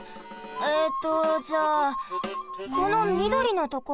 えっとじゃあこのみどりのとこは？